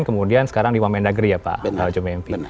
kemudian sekarang di one man negeri ya pak john wmp